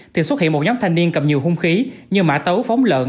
thì xuất hiện một nhóm thanh niên cầm nhiều hung khí như mã tấu phóng lợn